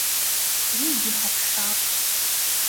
Уигьы ҳаԥшаап!